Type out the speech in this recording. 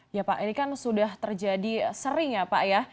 ya pak ini kan sudah terjadi sering ya pak ya